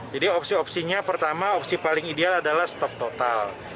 jadi opsi opsinya pertama opsi paling ideal adalah stop total